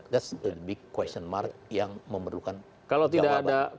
that's the big question mark yang memerlukan jawaban